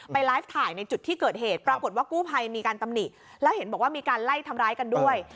ไลฟ์ถ่ายในจุดที่เกิดเหตุปรากฏว่ากู้ภัยมีการตำหนิแล้วเห็นบอกว่ามีการไล่ทำร้ายกันด้วย